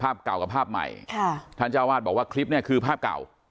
เก่ากับภาพใหม่ค่ะท่านเจ้าวาดบอกว่าคลิปเนี่ยคือภาพเก่า